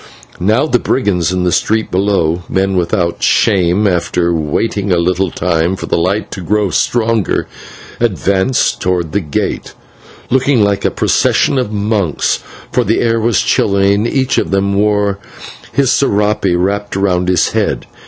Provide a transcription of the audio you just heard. Now, the brigands in the street below men without shame after waiting a little time for the light to grow stronger, advanced towards the gate, looking like a procession of monks, for the air was chilly and each of them wore his /serape/ wrapped about his head.